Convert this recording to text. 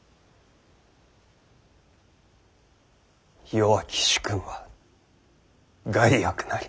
弱き主君は害悪なり。